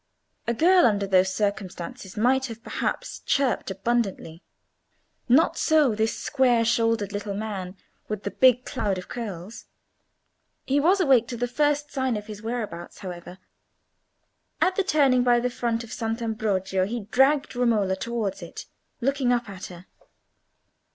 A girl under those circumstances might perhaps have chirped abundantly; not so this square shouldered little man with the big cloud of curls. He was awake to the first sign of his whereabout, however. At the turning by the front of San Ambrogio he dragged Romola towards it, looking up at her.